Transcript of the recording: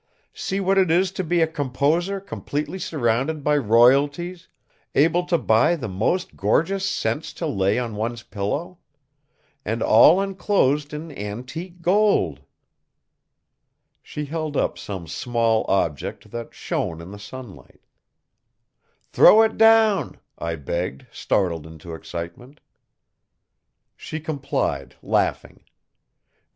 See what it is to be a composer completely surrounded by royalties, able to buy the most gorgeous scents to lay on one's pillow! And all enclosed in antique gold!" She held up some small object that shone in the sunlight. "Throw it down," I begged, startled into excitement. She complied, laughing.